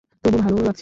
তবু ভালোও লাগছে।